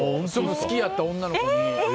好きやった女の子が。